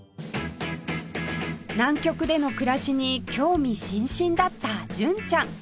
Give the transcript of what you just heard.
南極での暮らしに興味津々だった純ちゃん